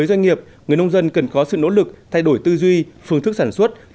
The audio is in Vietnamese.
xin cảm ơn ông về cuộc trao đổi hết sức thú vị này